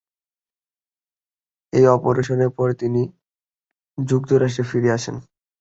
এই অপারেশনের পর তিনি যুক্তরাষ্ট্রে ফিরে আসেন।